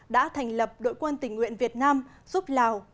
đã thành lập đội quân tình nguyện việt nam giúp lào